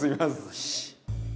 よし！